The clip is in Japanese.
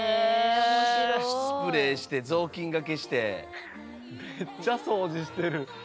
スプレーして雑巾がけしてめっちゃ掃除してる。